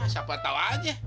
siapa tau aja